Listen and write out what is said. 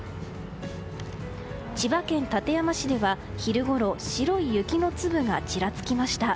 千葉県館山市では昼ごろ白い雪の粒がちらつきました。